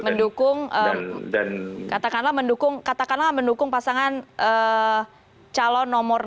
mendukung katakanlah mendukung pasangan calon nomor dua